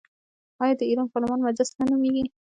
آیا د ایران پارلمان مجلس نه نومیږي؟